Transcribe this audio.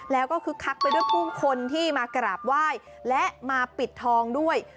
แล้วก็คึกคักไปด้วยผู้คนที่มากราบไหว้และมาปิดทองด้วย